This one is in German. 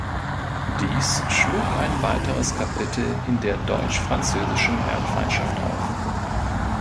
Dies schlug ein weiteres Kapitel in der deutsch-französischen Erbfeindschaft auf.